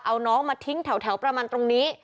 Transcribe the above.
เอาน้องมาทิ้งแถวประมาณตรงนี้